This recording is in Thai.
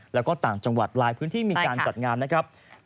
แล้วก็ต่างจังหวัดหลายพื้นที่มีการจัดงานนะครับ